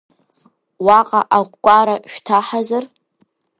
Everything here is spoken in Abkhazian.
Уа-ҟа акәара шәҭаҳазар?